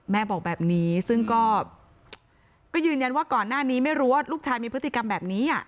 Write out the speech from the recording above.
แม่บอกแบบนี้ซึ่งก็ยืนยันว่าก่อนหน้านี้ไม่รู้ว่าลูกชายมีพฤติกรรมแบบนี้